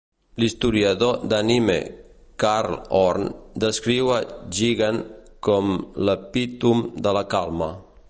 L'historiador d'anime Carl Horn descriu a Jigen com "l'epítom de la calma".